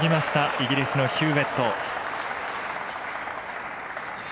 イギリスのヒューウェット。